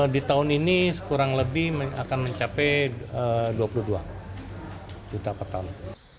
di tahun ini kurang lebih akan mencapai dua puluh dua juta per tahun